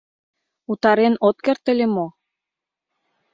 Утарен от керт ыле мо?